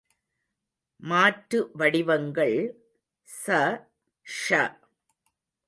மாற்று வடிவங்கள் ஸ, ஷ.